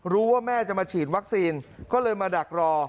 แม่จะมาฉีดวัคซีนก็เลยมาดักรอ